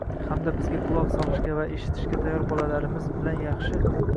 hamda bizga quloq solishga va eshitishga tayyor bolalarimiz bilan yaxshi